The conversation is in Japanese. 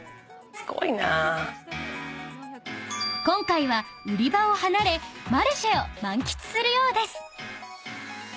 ［今回は売り場を離れマルシェを満喫するようです］